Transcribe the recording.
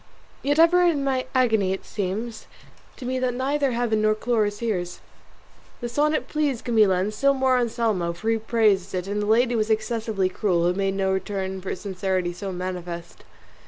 Yet ever in my agony it seems To me that neither Heaven nor Chloris hears." The sonnet pleased Camilla, and still more Anselmo, for he praised it and said the lady was excessively cruel who made no return for sincerity so manifest.